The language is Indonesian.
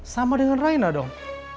sama dengan raina dong